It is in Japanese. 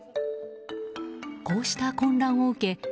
こうした混乱を受け